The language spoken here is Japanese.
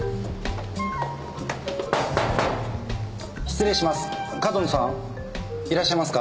失礼します。